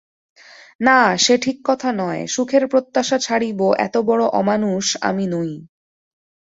না, সে কথা ঠিক নয়– সুখের প্রত্যাশা ছাড়িব এতবড়ো অমানুষ আমি নই।